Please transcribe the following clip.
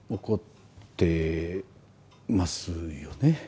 怒ってますよね？